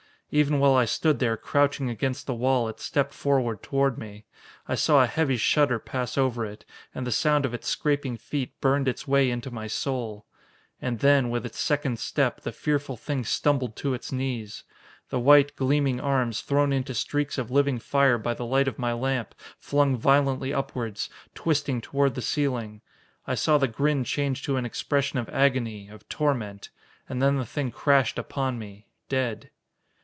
Even while I stood there, crouching against the wall, it stepped forward toward me. I saw a heavy shudder pass over it, and the sound of its scraping feet burned its way into my soul. And then, with its second step, the fearful thing stumbled to its knees. The white, gleaming arms, thrown into streaks of living fire by the light of my lamp, flung violently upwards, twisting toward the ceiling. I saw the grin change to an expression of agony, of torment. And then the thing crashed upon me dead.